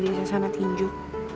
dari sana tinjuk